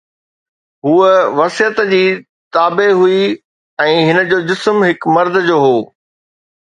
هوءَ وصيت جي تابع هئي ۽ هن جو جسم هڪ مرد جو هو